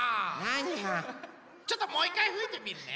ちょっともういっかいふいてみるね。